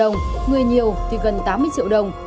nhiều thì gần tám mươi triệu đồng